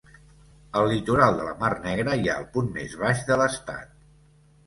Al litoral de la mar Negra hi ha el punt més baix de l'estat.